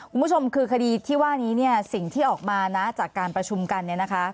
คุณผู้ชมคือคดีที่ว่านี้เนี่ยสิ่งที่ออกมานะจากการประชุมกันเนี่ยนะคะ